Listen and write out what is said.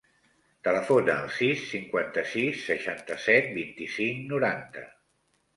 Telefona al sis, cinquanta-sis, seixanta-set, vint-i-cinc, noranta.